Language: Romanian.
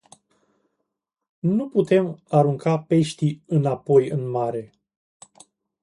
Nu putem arunca peștii înapoi în mare.